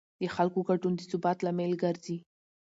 د خلکو ګډون د ثبات لامل ګرځي